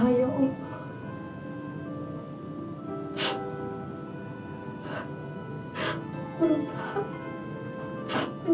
amai ikhlas atas semua